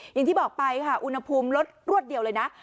อย่างที่บอกไปค่ะอุณหภูมิลดรวดเดียวเลยนะ